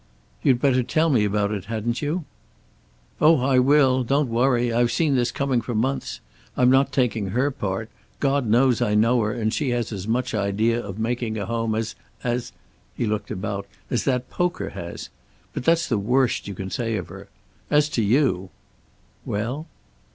"You'd better tell me about it, hadn't you?" "Oh, I will. Don't worry. I've seen this coming for months. I'm not taking her part. God knows I know her, and she has as much idea of making a home as as" he looked about "as that poker has. But that's the worst you can say of her. As to you " "Well?"